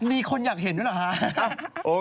มีคนอยากเห็นด้วยเหรอคะ